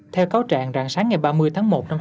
theo cáo trạng rạng sáng ngày ba mươi tháng một